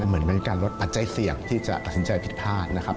เหมือนเป็นการลดปัจจัยเสี่ยงที่จะตัดสินใจผิดพลาดนะครับ